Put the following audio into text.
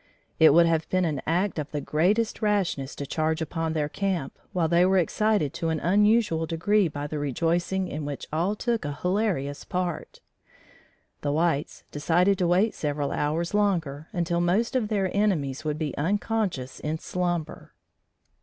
It would have been an act of the greatest rashness to charge upon their camp, while they were excited to an unusual degree by the rejoicing in which all took a hilarious part. The whites decided to wait several hours longer until most of their enemies would be unconscious in slumber.